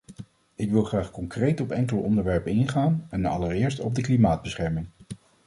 Ik wil graag concreet op enkele onderwerpen ingaan, en allereerst op de klimaatbescherming.